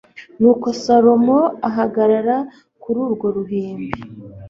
nuko salomo ahagarara kuri urwo ruhimbi